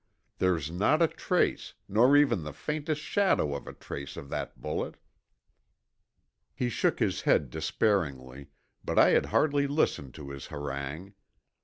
There's not a trace, nor even the faintest shadow of a trace of that bullet!" He shook his head despairingly, but I had hardly listened to his harangue.